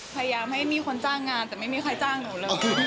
พยายามให้มีคนจ้างงานแต่ไม่มีใครจ้างหนูเลย